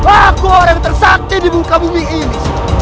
aku orang tersakti di muka bumi ini